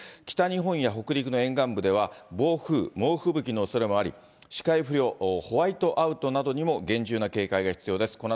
北日本や北陸の沿岸部では、暴風、猛吹雪のおそれもあり、視界不良、ホワイトアウトなどにも厳重な警戒が必要です。